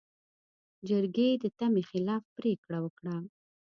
جرګې د تمې خلاف پرېکړه وکړه.